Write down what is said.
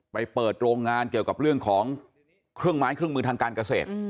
ไปเปิดโรงงานเกี่ยวกับเรื่องของเครื่องไม้เครื่องมือทางการเกษตร